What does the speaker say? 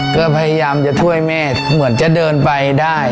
ก็พยายามจะช่วยแม่เหมือนจะเดินไปได้